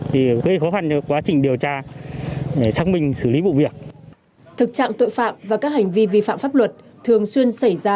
thực trạng tội phạm và các hành vi vi phạm pháp luật thường xuyên xảy ra